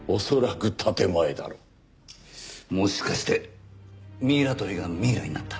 もしかしてミイラ取りがミイラになった？